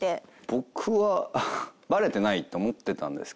僕はバレてないって思ってたんですけど